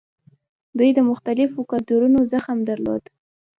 دوی د مختلفو کلتورونو زغم درلود